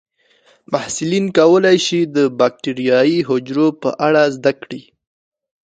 محصلین کولی شي د بکټریايي حجرو په اړه زده کړي.